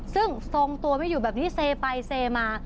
ซึ่งทรงตัวไม่อยู่แบบนี้เซไปเซมา